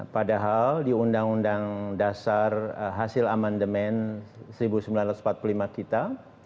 padahal di undang undang dasar hasil amandemen seribu sembilan ratus empat puluh lima kita